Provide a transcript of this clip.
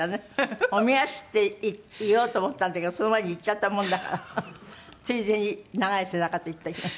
おみ足って言おうと思ったんだけどその前に言っちゃったもんだからついでに長い背中と言っておきました。